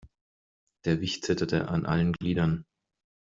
Der Wicht zitterte an allen Gliedern.